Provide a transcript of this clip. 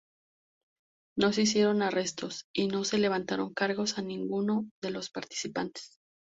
No se hicieron arrestos, y no se levantaron cargos a ninguno de los participantes.